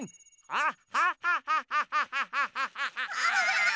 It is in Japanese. あっ！